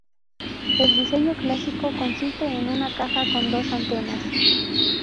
El diseño clásico consiste en una caja con dos antenas.